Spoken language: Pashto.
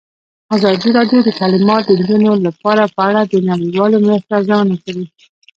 ازادي راډیو د تعلیمات د نجونو لپاره په اړه د نړیوالو مرستو ارزونه کړې.